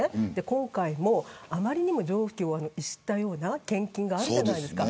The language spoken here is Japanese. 今回もあまりにも常軌を逸したような献金があったじゃないですか。